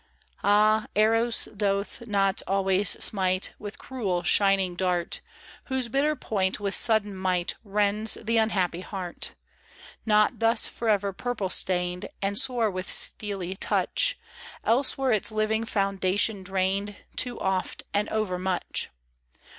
AH, Eros doth not always smite With cruel, shining dart, Whose bitter point with sudden might Rends the unhappy heart — Not thus forever purple stained, And sore with steely touch, Else were its living fountain drained Too oft and overmuch.